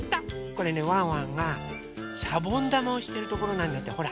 これねワンワンがしゃぼんだまをしてるところなんだってほら。